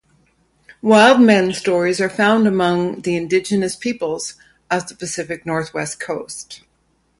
Wild men stories are found among the indigenous peoples of the Pacific Northwest Coast.